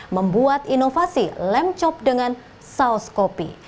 membuat inovasi lem chop dengan saus kopi